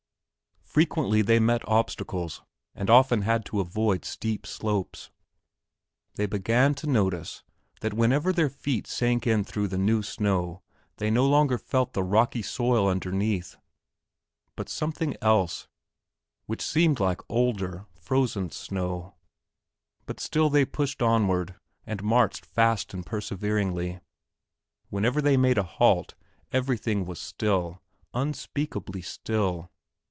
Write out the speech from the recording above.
Frequently they met obstacles and often had to avoid steep slopes. They began to notice that whenever their feet sank in through the new snow they no longer felt the rocky soil underneath but something else which seemed like older, frozen snow; but still they pushed onward and marched fast and perseveringly. Whenever they made a halt everything was still, unspeakably still.